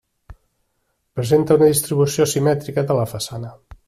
Presenta una distribució simètrica de la façana.